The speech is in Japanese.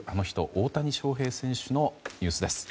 大谷翔平選手のニュースです。